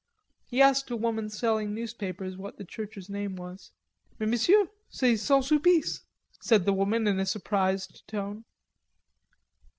He asked a woman selling newspapers what the church's name was. "Mais, Monsieur, c'est Saint Sulpice," said the woman in a surprised tone.